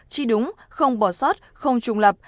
chi đúng không bỏ sót không trùng lập